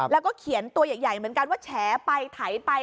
แล้วก็เขียนตัวใหญ่เหมือนกันว่าแฉไปไถไป